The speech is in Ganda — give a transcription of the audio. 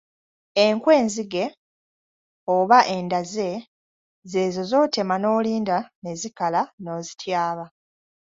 Enku enzige oba endaze z’ezo z’otema n’olinda ne zikala n’ozityaba.